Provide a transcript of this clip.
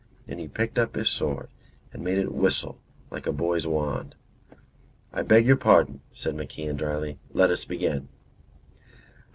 And he picked up his sword and made it whistle like a boy's wand. "I beg your pardon," said MacIan, dryly. "Let us begin."